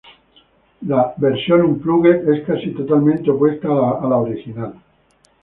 La versión "unplugged" es casi totalmente opuesta a la original.